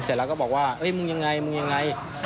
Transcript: เสร็จแล้วก็บอกว่ามึงยังไงมึงยังไง